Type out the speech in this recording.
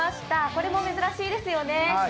これも珍しいですよね。